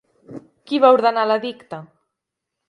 Qui va ordenar l'edicte?